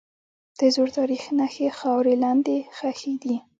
د زوړ تاریخ نښې خاورې لاندې ښخي دي.